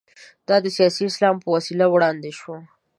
دا د سیاسي اسلام په وسیله وړاندې شو.